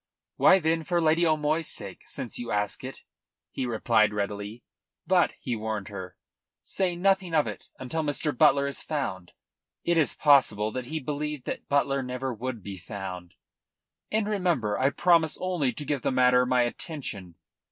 "Why, then, for Lady O'Moy's sake, since you ask it," he replied readily. "But," he warned her, "say nothing of it until Mr. Butler is found." It is possible he believed that Butler never would be found. "And remember, I promise only to give the matter my attention.